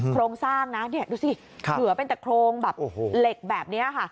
โครงสร้างนะดูสิเหลือเป็นแต่โครงแบบเหล็กแบบนี้ค่ะ